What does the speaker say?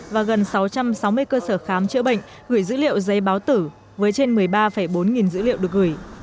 và gần sáu trăm sáu mươi cơ sở khám chữa bệnh gửi dữ liệu giấy báo tử với trên một mươi ba bốn nghìn dữ liệu được gửi